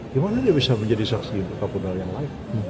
gimana dia bisa menjadi saksi untuk kapolda yang lain